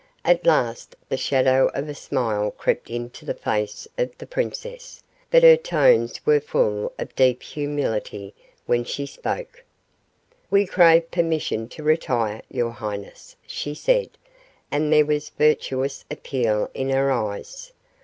At last the shadow of a smile crept into the face of the princess, but her tones were full of deep humility when she spoke. "We crave permission to retire, your highness," she said, and there was virtuous appeal in her eyes.